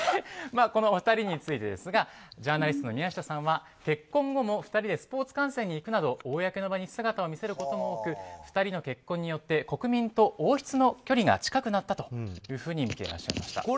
この２人についてですがジャーナリストの宮下さんは結婚後も２人でスポーツ観戦に行くなど公の場に姿を見せることも多く２人の結婚によって国民と王室の距離が近くなったというふうに見ていらっしゃいました。